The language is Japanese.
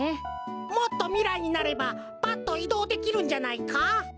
もっとみらいになればパッといどうできるんじゃないか？